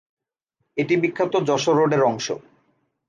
এটি বিখ্যাত যশোর রোডের অংশ।